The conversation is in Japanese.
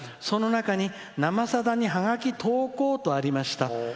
その中に「生さだ」にハガキ投稿とありました。